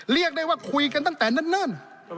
เรียกได้ว่าคุยกันตั้งแต่เนิ่น